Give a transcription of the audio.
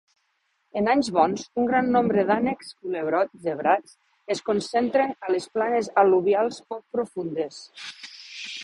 En anys bons, un gran nombre d'ànecs cullerot zebrats es concentren a les planes al·luvials poc profundes.